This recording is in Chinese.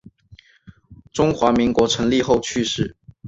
中华民国成立后去世。